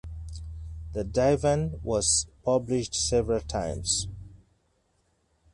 The Divan was published several times.